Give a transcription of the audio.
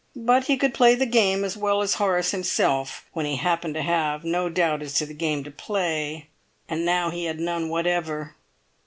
But he could "play the game" as well as Horace himself, when he happened to have no doubt as to the game to play. And now he had none whatever.